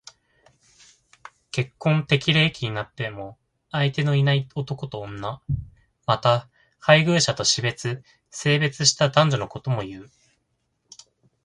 結婚適齢期になっても相手のいない男と女。また、配偶者と死別、生別した男女のことも言う。